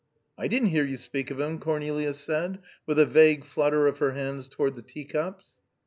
"I didn't hear you speak of him," Cornelia said, with a vague flutter of her hands toward the teacups.